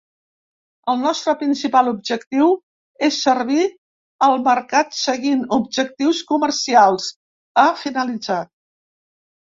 El nostre principal objectiu és servir el mercat seguint objectius comercials, ha finalitzat.